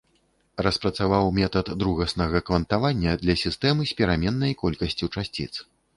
Распрацаваў метад другаснага квантавання для сістэм з пераменнай колькасцю часціц.